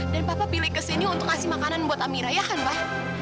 dan papa pilih ke sini untuk kasih makanan buat amira ya kan pak